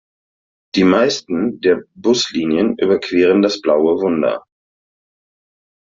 Die meisten der Buslinien überqueren das Blaue Wunder.